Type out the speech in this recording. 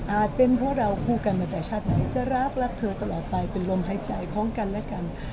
เป็นเพราะเราคู่กันมาแต่ชาติไหนจะรักรักเธอตลอดไปเป็นลมหายใจของกันและกัน